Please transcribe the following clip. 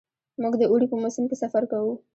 موږ د اوړي په موسم کې سفر کوو.